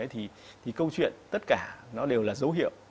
thì câu chuyện tất cả nó đều là dấu hiệu